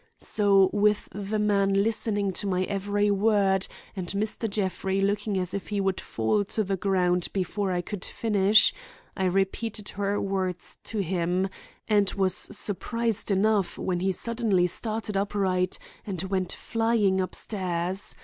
So, with the man listening to my every word, and Mr. Jeffrey looking as if he would fall to the ground before I could finish, I repeated her words to him and was surprised enough when he suddenly started upright and went flying upstairs.